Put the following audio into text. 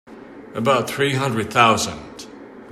About three hundred thousand.